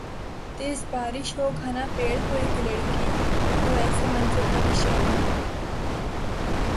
تیز بارش ہو گھنا پیڑ ہو اِک لڑکی ہوایسے منظر کبھی شہروں